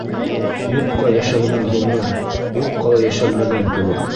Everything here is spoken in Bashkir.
Юҡҡа йәшәлгән ғүмер, юҡҡа ла йәшәлмәгән кеүек...